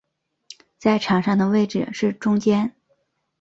在场上的位置是中坚。